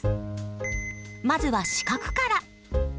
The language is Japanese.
まずは四角から。